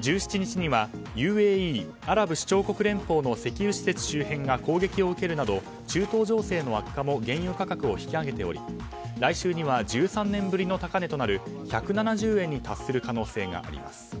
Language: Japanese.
１７日にはＵＡＥ・アラブ首長国連邦の石油施設周辺が攻撃を受けるなど中東情勢の悪化も原油価格を引き上げており来週には１３年ぶりの高値となる１７０円に達する可能性があります。